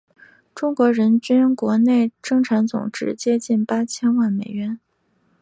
中国人均国内生产总值接近八千万美元。